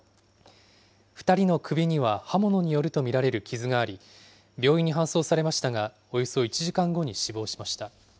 ２人の首には刃物によると見られる傷があり、病院に搬送されましたが、およそ１時間後に死亡しました。